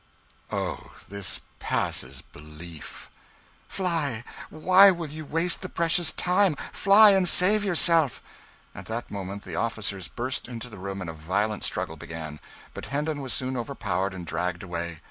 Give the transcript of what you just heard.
"Oh, this passes belief!" "Fly! Why will you waste the precious time? Fly, and save yourself." At that moment the officers burst into the room, and a violent struggle began; but Hendon was soon overpowered and dragged away.